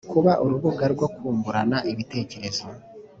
kuba urubuga rwo kungurana ibitekerezo